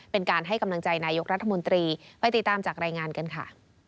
เป็นการให้กำลังใจนายกรัฐมนตรีไปติดตามจากรายงานกันค่ะ